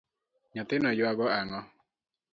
Nyathino ywago ango.